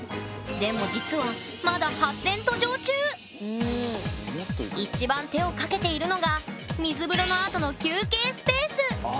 でも実はまだ一番手をかけているのが水風呂のあとの休憩スペース！